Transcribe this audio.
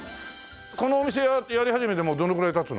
このお店はやり始めてもうどのくらい経つの？